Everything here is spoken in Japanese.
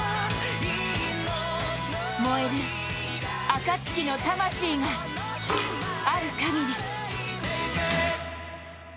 燃えるアカツキの魂がある限り。